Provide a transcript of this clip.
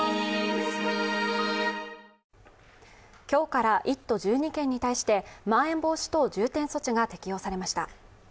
今日から１都１２県に対してまん延防止等重点措置が適用されました。